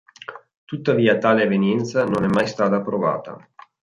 Tuttavia tale evenienza non è mai stata provata.